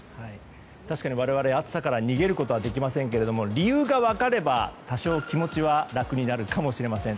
確かに我々は暑さから逃げることはできませんが理由が分かれば多少気持ちは楽になるかもしれません。